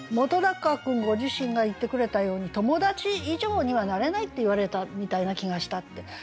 本君ご自身が言ってくれたように友達以上にはなれないって言われたみたいな気がしたって。